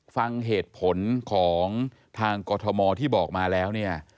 ฟังเหตุผลของทางกรทมที่บอกมาแล้วเนี่ย